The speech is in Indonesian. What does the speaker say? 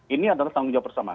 ini adalah tanggung jawab bersama